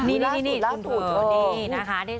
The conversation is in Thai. นี่นี่